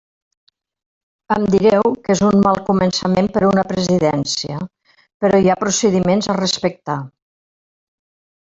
Em direu que és un mal començament per una presidència, però hi ha procediments a respectar.